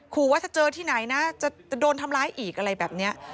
ว่าถ้าเจอที่ไหนนะจะโดนทำร้ายอีกอะไรแบบนี้